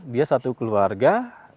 dia satu keluarga